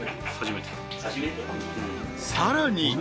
［さらに］